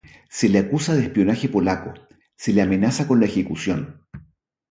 Se le acusa de espionaje polaco, se le amenaza con la ejecución.